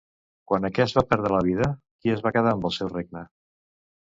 Quan aquest va perdre la vida, qui es va quedar amb el seu regne?